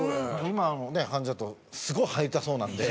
今の感じだとすごい入りたそうなんで。